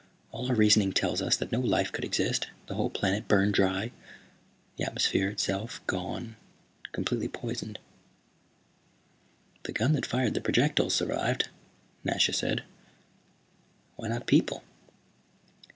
All our reasoning tells us that no life could exist; the whole planet burned dry, the atmosphere itself gone, completely poisoned." "The gun that fired the projectiles survived," Nasha said. "Why not people?"